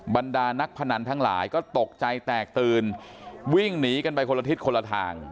บรรดานักพนันทั้งหลายก็ตกใจแตกตื่นวิ่งหนีกันไปคนละทิศคนละทาง